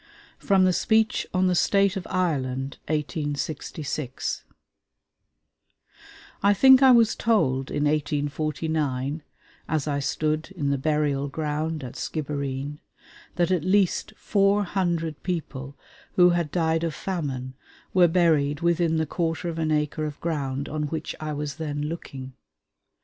FROM THE SPEECH ON THE STATE OF IRELAND (1866) I think I was told in 1849, as I stood in the burial ground at Skibbereen, that at least four hundred people who had died of famine were buried within the quarter of an acre of ground on which I was then looking.